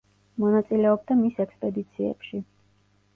მონაწილეობდა მის ექსპედიციებში.